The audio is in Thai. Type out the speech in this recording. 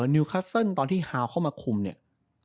นิวคัสเซิลตอนที่ฮาวเข้ามาคุมเนี่ย